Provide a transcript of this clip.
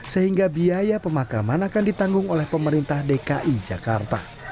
sehingga biaya pemakaman akan ditanggung oleh pemerintah dki jakarta